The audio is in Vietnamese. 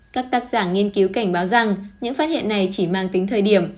các tác giả nghiên cứu cảnh báo rằng những phát hiện này chỉ mang tính thời điểm